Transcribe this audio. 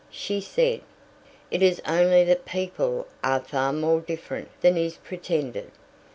She said: "It is only that people are far more different than is pretended.